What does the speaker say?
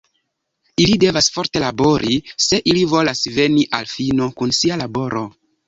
Ili devas forte labori, se ili volas veni al fino kun sia laboro.